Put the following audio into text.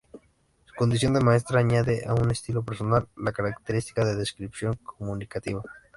Su condición de maestra añade, a un estilo personal, la característica de descripción comunicativa.